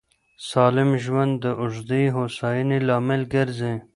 سالم ژوند د اوږدې هوساینې لامل ګرځي.